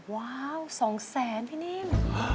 ว้าว๒๐๐๐๐๐พี่นิม๒๐๐๐๐๐